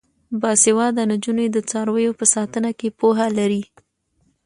باسواده نجونې د څارویو په ساتنه کې پوهه لري.